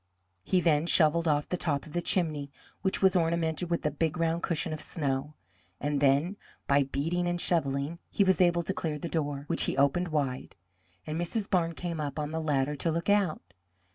He then shovelled off the top of the chimney, which was ornamented with a big round cushion of snow, and then by beating and shovelling he was able to clear the door, which he opened wide, and Mrs. Barnes came up on the ladder to look out.